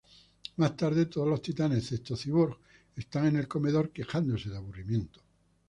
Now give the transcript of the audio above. Más tarde, todos los titanes excepto Cyborg están en el comedor quejándose de aburrimiento.